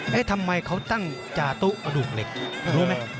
เอ๊ะทำไมเขาตั้งจาตู้อดูกเหล็กรู้มั้ย